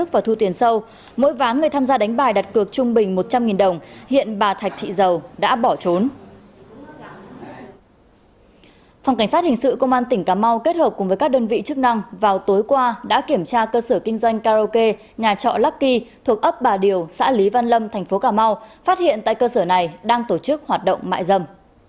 phòng cảnh sát hình sự công an tỉnh cà mau kết hợp cùng với các đơn vị chức năng vào tối qua đã kiểm tra cơ sở kinh doanh karaoke nhà trọ lucky thuộc ấp bà điều xã lý văn lâm thành phố cà mau phát hiện tại cơ sở này đang tổ chức hoạt động mại dâm